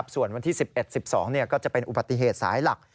ส่วนวันที่๑๑๑๒ก็จะเป็นอุบัติเหตุสายหลัก